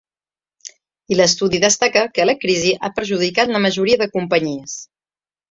I l’estudi destaca que la crisi ha perjudicat la majoria de companyies.